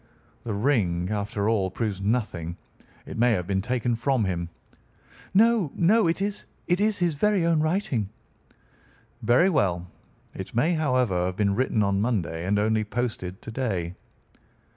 The ring, after all, proves nothing. It may have been taken from him." "No, no; it is, it is his very own writing!" "Very well. It may, however, have been written on Monday and only posted to day."